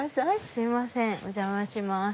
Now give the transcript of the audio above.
すいませんお邪魔します。